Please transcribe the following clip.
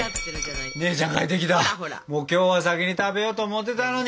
今日は先に食べようと思ってたのに。